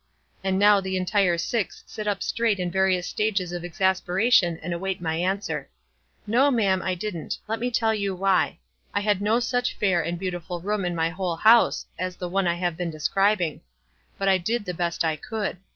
And now the en tire six sit up straight in various stages of ex » asperation, and await my answer. " No, ma'am, I didn't. Let me tell you why. I had no such fair and beautiful room in my whole house as the one I have been describing; but I did the best I could.